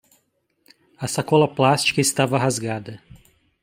A sacola plástica estava rasgada.